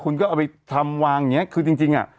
คุ้นก็เอาไปทำวางอย่างเงี้ยคือจริงอะ